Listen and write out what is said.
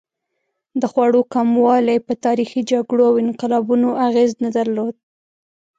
د خوړو کموالی په تاریخي جګړو او انقلابونو اغېز نه درلود.